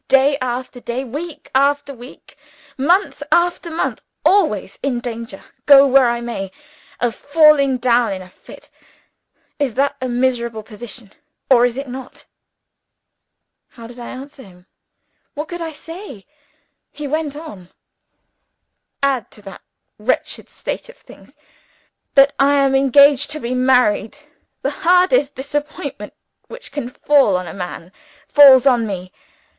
Day after day, week after week, month after month, always in danger, go where I may, of falling down in a fit is that a miserable position? or is it not?" How could I answer him? What could I say? He went on: "Add to that wretched state of things that I am engaged to be married. The hardest disappointment which can fall on a man, falls on me.